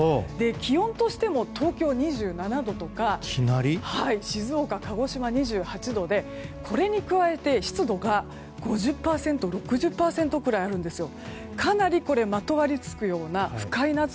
気温としても東京は２７度とか静岡、鹿児島２８度でこれに加えて湿度が５０％６０％くらいあるんですよ。